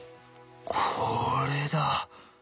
これだ。